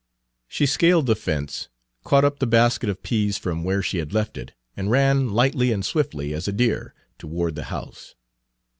She scaled the fence, caught up the basket of peas from where she had left it, and ran, lightly and swiftly as a deer, toward the house.